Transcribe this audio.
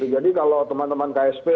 jadi kalau teman teman ksp